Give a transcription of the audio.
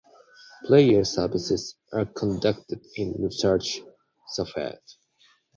Prayer services are conducted in Nusach Sefard.